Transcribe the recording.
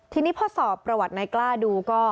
ทีนี้พอสอบประวัตินายกล้าดูก็